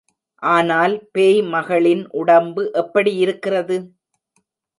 ஆனால் பேய் மகளின் உடம்பு எப்படி இருக்கிறது?